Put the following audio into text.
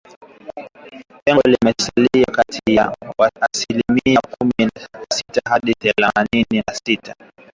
Pengo limesalia kati ya asilimia kumi na tisa hadi thelathini na sita